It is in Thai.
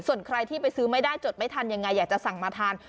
ส่วนใครที่ไปซื้อไม่ได้จดไม่ทันยังไงอยากจะสั่งมาทาน